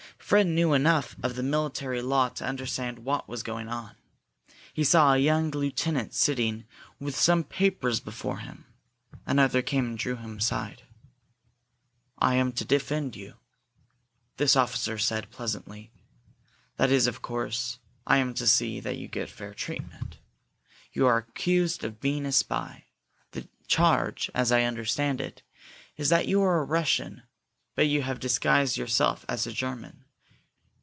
Fred knew enough of the military law to understand what was going on. He saw a young lieutenant sitting with some papers before him. Another came and drew him aside. "I am to defend you," this officer said, pleasantly. "That is, of course, I am to see that you get fair treatment. You are accused of being a spy. The charge, as I understand it, is that you are a Russian, but have disguised yourself as a German.